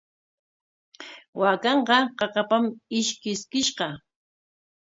Waakanqa qaqapam ishkiskishqa.